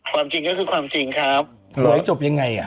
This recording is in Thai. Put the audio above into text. ความจริงก็คือความจริงครับ